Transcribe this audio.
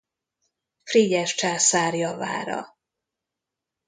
Frigyes császár javára.